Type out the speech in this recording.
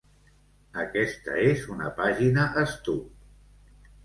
Aquesta és una pàgina stub.